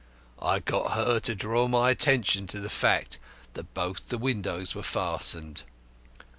I got her to draw my attention to the fact that both the windows were fastened.